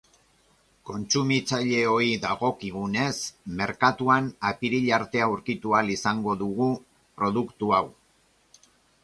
Kontsumitzaileoi dagokigunez, merkatuan apirila arte aurkitu ahal izango dugu produktu hau.